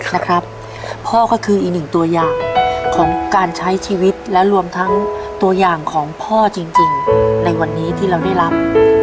นะครับพ่อก็คืออีกหนึ่งตัวอย่างของการใช้ชีวิตและรวมทั้งตัวอย่างของพ่อจริงในวันนี้ที่เราได้รับ